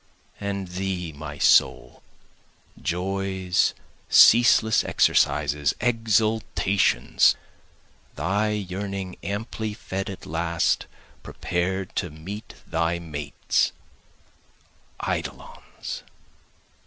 And thee my soul, Joys, ceaseless exercises, exaltations, Thy yearning amply fed at last, prepared to meet, Thy mates, eidolons.